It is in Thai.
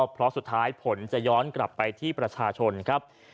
เพราะสุดท้ายผลจะย้อนกลับไปที่ประชาชนครับ